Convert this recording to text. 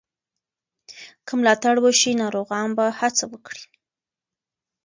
که ملاتړ وشي، ناروغان به هڅه وکړي.